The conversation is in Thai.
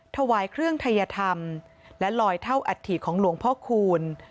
ถวายเครื่องทัยธรรมและลอยเท่าอัฐิของหลวงพ่อคูณ